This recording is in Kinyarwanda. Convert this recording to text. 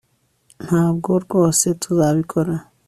ntabwo rwose tuzabikora